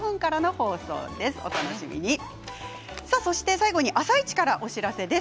最後に「あさイチ」からお知らせです。